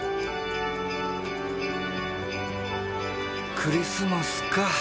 クリスマスか。